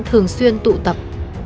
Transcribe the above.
thường xuyên tụ tập